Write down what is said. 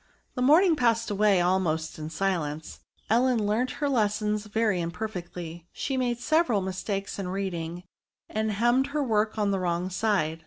The morning passed away almost in silence; Ellen learnt her lessons very imperfectly ; she made several mistakes in reading, and hemmed her work on the wrong side.